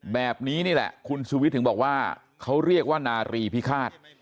แบบนี้นี่แหละคุณสุวิทย์ถึงบอกว่าเขาเรียกว่านารีพิฆาต